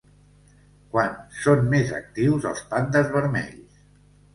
Quan són més actius els pandes vermells?